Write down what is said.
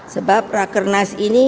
sebab rakernas ini